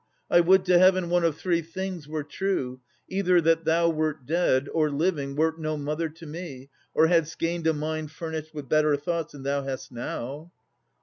I would to heaven one of three things were true: Either that thou wert dead, or, living, wert No mother to me, or hadst gained a mind Furnished with better thoughts than thou hast now!